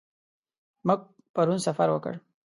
موږ پرون سفر وکړ.